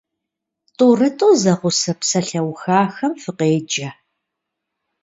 ТӀурытӀу зэгъусэ псалъэухахэм фыкъеджэ.